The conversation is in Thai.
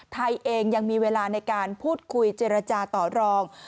ไทยเองยังมีเวลาในการพูดคุยเจรจาต่อรอง